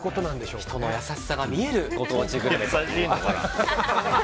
人の優しさが見えるご当地グルメですね。